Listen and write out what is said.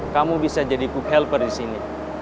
kamu bisa jadi cook helper disini